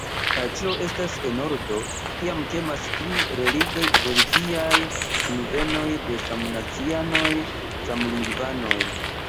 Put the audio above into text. Kaj ĉio estas en ordo, kiam temas pri religiaj kunvenoj de samnacianoj, samlingvanoj.